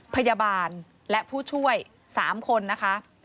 พยาบาลและผู้ช่วย๓คนนะคะ